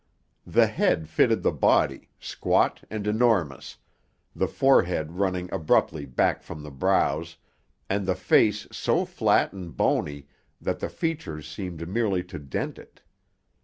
The head fitted the body, squat and enormous, the forehead running abruptly back from the brows, and the face so flat and bony that the features seemed merely to dent it.